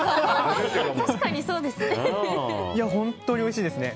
本当においしいですね。